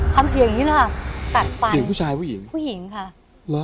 คำเสียงอย่างนี้นะคะตัดไปเสียงผู้ชายผู้หญิงผู้หญิงค่ะเหรอ